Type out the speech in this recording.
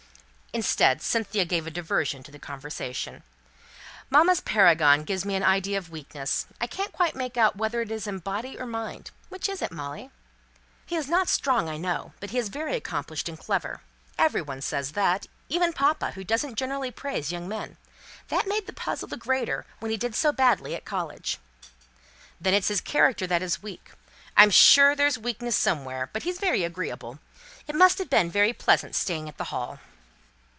Instead, Cynthia gave a diversion to the conversation. "Mamma's paragon gives me an idea of weakness. I can't quite make out whether it's in body or mind. Which is it, Molly?" "He is not strong, I know; but he's very accomplished and clever. Every one says that, even papa, who doesn't generally praise young men. That made the puzzle the greater when he did so badly at college." "Then it's his character that is weak. I'm sure there's weakness somewhere; but he's very agreeable. It must have been very pleasant, staying at the Hall."